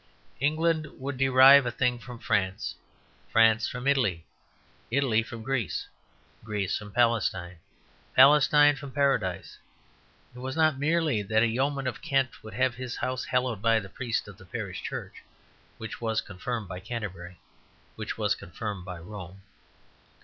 England would derive a thing from France, France from Italy, Italy from Greece, Greece from Palestine, Palestine from Paradise. It was not merely that a yeoman of Kent would have his house hallowed by the priest of the parish church, which was confirmed by Canterbury, which was confirmed by Rome.